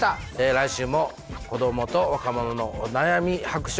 来週も子どもと若者のお悩み白書